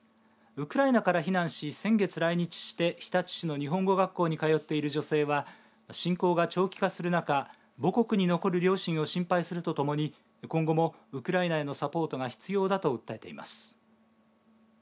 ウクライナから避難し先月来日して日立市の日本語学校に通っている女性は侵攻が長期化する中母国に残る両親を心配するとともに今後も、ウクライナへのサポートが必要だと訴えています。